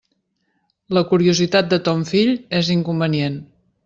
La curiositat de ton fill és inconvenient.